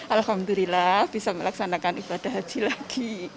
alhamdulillah bisa melaksanakan ibadah haji lagi